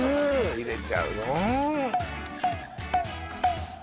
入れちゃうの？